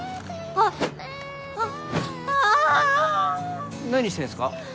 あっああ何してるんすか？